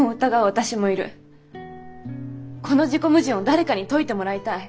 この自己矛盾を誰かに解いてもらいたい。